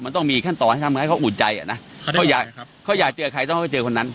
มันต้องมีขั้นต่อการให้เขาอุ่นใจเขาอยากเจอใครซะก็เจอคนนั้น